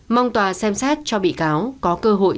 mong tòa xem xét cho bị cáo